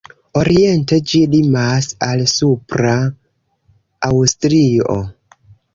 Oriente ĝi limas al Supra Aŭstrio.